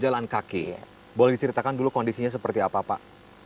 jalan kaki boleh diceritakan dulu kondisinya seperti apa pak